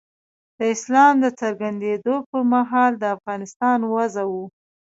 د اسلام د څرګندېدو پر مهال د افغانستان وضع وه.